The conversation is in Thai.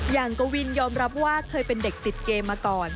กวินยอมรับว่าเคยเป็นเด็กติดเกมมาก่อน